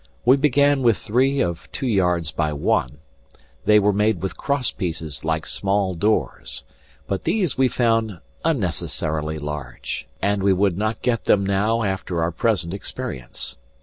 We began with three of two yards by one; they were made with cross pieces like small doors; but these we found unnecessarily large, and we would not get them now after our present experience.